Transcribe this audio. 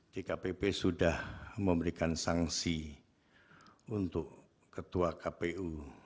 dkpp sudah memberikan sanksi untuk ketua kpu